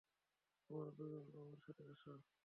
তোমরা দুজন, আমার সাথে আসো!